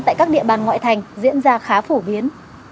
tại các địa bàn ngoại thành diễn ra khá phổ biến